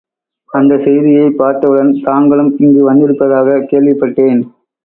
அந்தச் செய்தியைப் பார்த்தவுடன், தாங்களும் இங்கு வந்திருப்பதாகக் கேள்விப்பட்டேன்.